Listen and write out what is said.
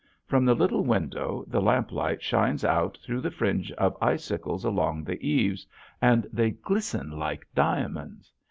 From the little window the lamplight shines out through the fringe of icicles along the eaves, and they glisten like diamonds.